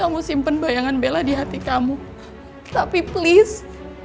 kamu simpen bayangan bela di hati kamu tapi please